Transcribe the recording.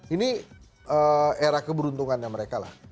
ini era keberuntungannya mereka lah